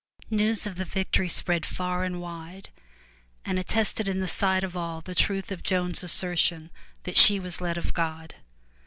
News of the victory spread far and wide and attested in the sight of all the truth of Joan's assertion that she was led of God.